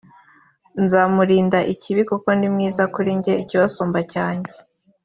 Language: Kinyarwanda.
nzamurinda ikibi kuko ni mwiza kuri njye ikibasumba cyanjye